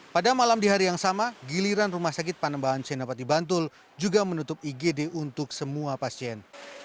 pada malam di hari yang sama giliran rumah sakit panambahan senapati bantul juga menutup igd untuk semua pasien